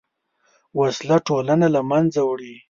وسله ټولنه له منځه وړي